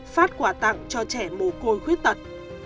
phát quà tặng cho trẻ mồ côi khuyết tật